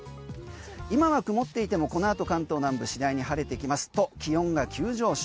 今は曇っていてもこのあと関東南部、次第に晴れてきますと気温が急上昇。